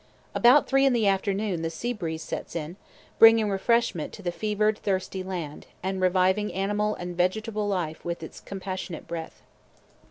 About three in the afternoon the sea breeze sets in, bringing refreshment to the fevered, thirsty land, and reviving animal and vegetable life with its compassionate breath.